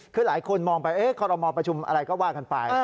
คือหลายคนมองไปคอรมอลประชุมอะไรก็ว่ากันไป